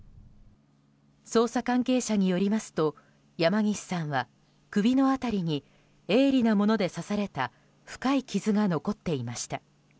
捜査関係者によりますと山岸さんは首の辺りに鋭利なもので刺された深い傷が残っていました。